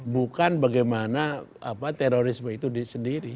bukan bagaimana terorisme itu sendiri